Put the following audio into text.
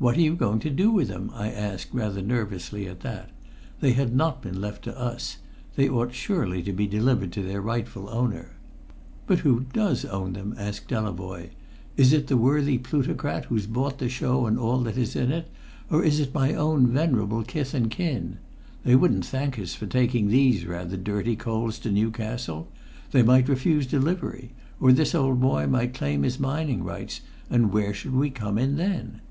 "What are you going to do with them?" I asked rather nervously at that. They had not been left to us. They ought surely to be delivered to their rightful owner. "But who does own them?" asked Delavoye. "Is it the worthy plutocrat who's bought the show and all that in it is, or is it my own venerable kith and kin? They wouldn't thank us for taking these rather dirty coals to Newcastle. They might refuse delivery, or this old boy might claim his mining rights, and where should we come in then?